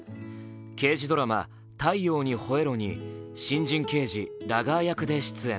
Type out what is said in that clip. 刑事ドラマ「太陽にほえろ！」に新人刑事、ラガー役で出演。